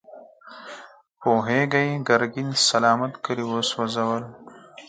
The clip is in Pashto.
پوهېږې، ګرګين سلامت کلي وسوځول.